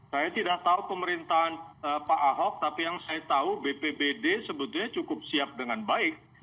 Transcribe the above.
saya tidak tahu pemerintahan pak ahok tapi yang saya tahu bpbd sebetulnya cukup siap dengan baik